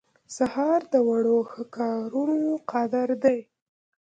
سهار د وړو ښه کارونو قدر دی.